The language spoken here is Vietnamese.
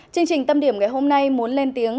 chương trình tâm điểm ngày hôm nay muốn lên tiếng